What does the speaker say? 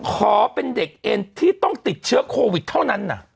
ขอเป็นเด็กเอ็นที่ต้องติดเชื้อโควิดเท่านั้นนะ